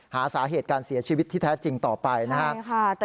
หาสาเหตุการเสียชีวิตที่แท้จริงต่อไปนะครับ